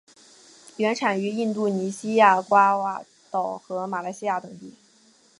原产于印度尼西亚爪哇岛和马来西亚等地。